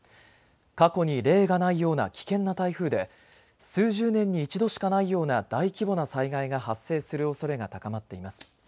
過去に例がないような危険な台風で数十年に一度しかないような大規模な災害が発生するおそれが高まっています。